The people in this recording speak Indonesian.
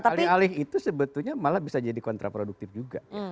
alih alih itu sebetulnya malah bisa jadi kontraproduktif juga